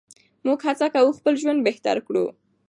موږ هڅه کوو خپل ژوند بهتر کړو.